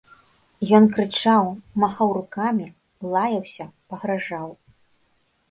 Ён крычаў, махаў рукамі, лаяўся, пагражаў.